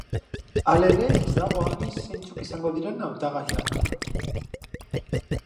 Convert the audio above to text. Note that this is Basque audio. Halere, ez dago argi zeintzuk izango diren hautagaiak.